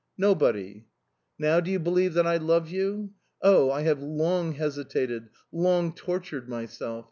"Nobody." "Now do you believe that I love you? Oh! I have long hesitated, long tortured myself...